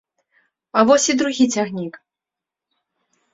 А вось і другі цягнік.